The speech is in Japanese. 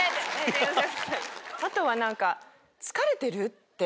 あとは何か。